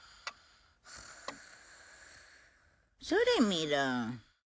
それみろ。